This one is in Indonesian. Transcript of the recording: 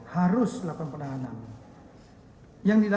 harus dilakukan penahanan